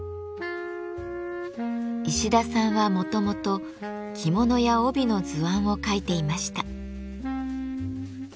石田さんはもともと着物や帯の図案を描いていました。